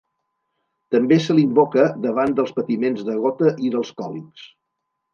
També se l'invoca davant dels patiments de gota i dels còlics.